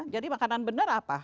jadi makanan benar apa